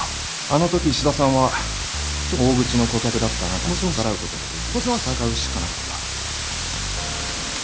あのとき石田さんは大口の顧客だったあなたに逆らうことができず従うしかなかった。